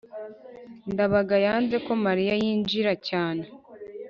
ndabaga yanze ko mariya yinjira cyane